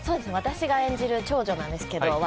私が演じる、長女なんですけど。